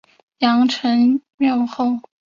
阳城缪侯。